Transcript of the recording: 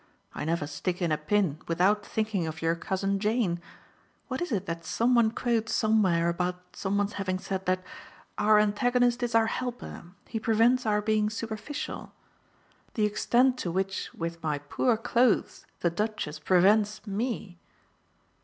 I never stick in a pin without thinking of your Cousin Jane. What is it that some one quotes somewhere about some one's having said that 'Our antagonist is our helper he prevents our being superficial'? The extent to which with my poor clothes the Duchess prevents ME